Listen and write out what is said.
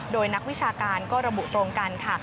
โดยนักวิชาการก็ระบุตรงกันค่ะ